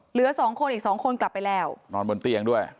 เหลือสองคนอีกสองคนกลับไปแล้วนอนบนเตียงด้วย